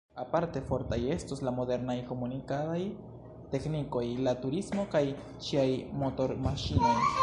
Aparte fortaj estos la modernaj komunikadaj teknikoj, la turismo kaj ĉiaj motormaŝinoj.